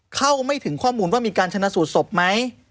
เข้าไม่ถึงข้อมูลว่ามีการชนะสูตรศพไหม